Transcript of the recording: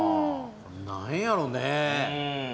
何やろうね。